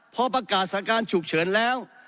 พอประกาศสถานการณ์ฉุกเฉินแล้ว